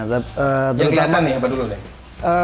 yang kelihatan nih apa dulu